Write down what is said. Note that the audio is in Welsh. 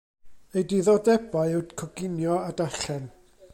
Ei ddiddordebau yw coginio a darllen.